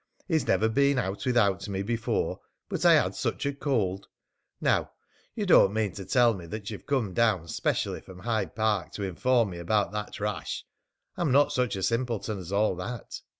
He's never been out without me before, but I had such a cold. Now, you don't mean to tell me that you've come down specially from Hyde Park to inform me about that rash. I'm not such a simpleton as all that."